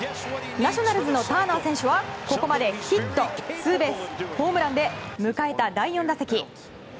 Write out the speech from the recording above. ナショナルズのターナー選手はここまでヒットツーベース、ホームランで迎えた第４打席。